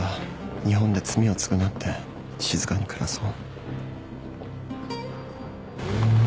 日本で罪を償って静かに暮らそう。